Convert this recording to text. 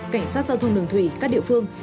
cảnh sát giao thông đường thủy các địa phương